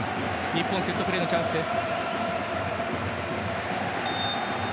日本セットプレーのチャンスです。